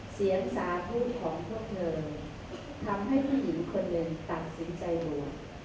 เสียงสาพูดของพวกเธอทำให้ผู้หญิงคนเดียนตัดสินใจหัว